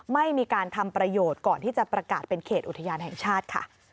ไม่มีการทำประโยชน์ก่อนที่จะประกาศเป็นเขตอุทยานแห่งชาติค่ะ